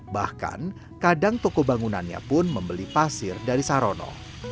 bahkan kadang toko bangunannya pun membeli pasir dari sarono